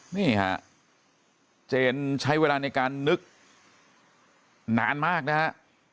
นี่ฮะเจนใช้เวลาในการนึกนานมากนะฮะ